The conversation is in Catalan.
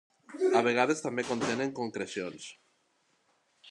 A vegades també contenen concrecions.